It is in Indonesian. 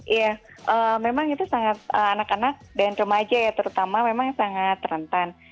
iya memang itu sangat anak anak dan remaja ya terutama memang sangat rentan